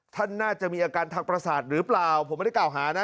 ท่านน่าจะมีอาการทางประสาทหรือเปล่าผมไม่ได้กล่าวหานะ